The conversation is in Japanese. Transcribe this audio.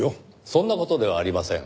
そんな事ではありません。